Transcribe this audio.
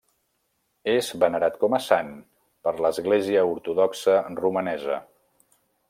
És venerat com a sant per l'Església Ortodoxa Romanesa.